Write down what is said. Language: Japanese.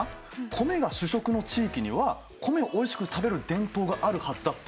米が主食の地域には米をおいしく食べる伝統があるはずだってことだ。